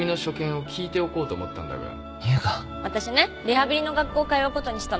わたしねリハビリの学校通うことにしたの。